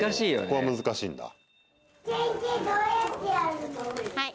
ここは難しいんだ。